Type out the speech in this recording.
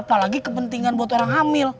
apalagi kepentingan buat orang hamil